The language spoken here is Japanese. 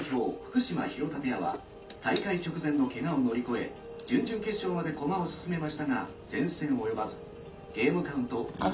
福島廣田ペアは大会直前のけがを乗り越え準々決勝まで駒を進めましたが善戦及ばずゲームカウント１対２で敗れました」。